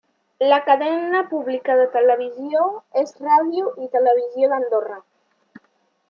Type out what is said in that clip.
La cadena pública de televisió és Ràdio i Televisió d'Andorra.